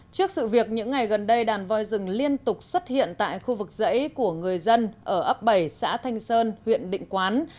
trước sự việc những ngày gần đây đàn voi rừng liên tục xuất hiện tại khu vực dãy của người dân ở ấp bảy xã thanh sơn huyện định quán